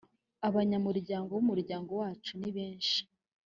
abanyamuryango bumuryango wacu ni benshi